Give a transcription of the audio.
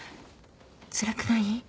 つらくない？